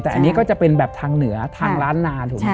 แต่อันนี้ก็จะเป็นแบบทางเหนือทางร้านนานถูกไหม